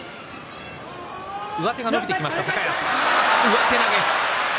上手投げ。